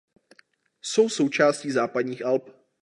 Jsou součástí Západních Alp.